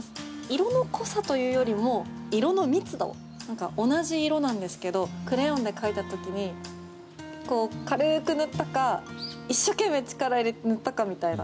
色の濃さというよりも色の密度同じ色なんですけどクレヨンで描いた時に軽く塗ったか一生懸命力入れて塗ったかみたいな。